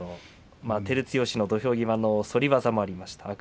照強の土俵際のそり技もありました。